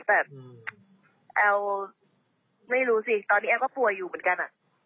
แต่แอลร์ไม่รู้ตอนนี้แอลร์ก็ปลัวยิวเหมือนกัน